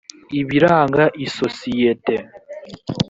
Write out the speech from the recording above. ibiranga isosiyete